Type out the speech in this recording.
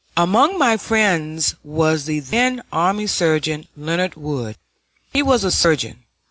Among my friends was the then Army Surgeon Leonard Wood. He was a surgeon.